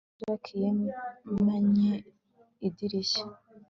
Ejo nibwo Jake yamennye idirishya